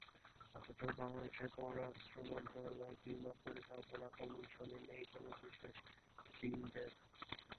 অথচ বাংলাদেশের পররাষ্ট্র মন্ত্রণালয় কিংবা পরিকল্পনা কমিশনে নেই কোনো বিশেষ চীন ডেস্ক।